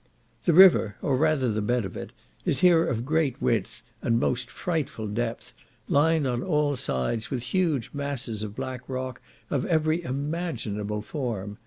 The river, or rather the bed of it, is here of great width, and most frightful depth, lined on all sides with huge masses of black rock of every imaginable form.